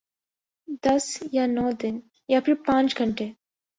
دس یا نو دن یا پھر پانچ گھنٹے؟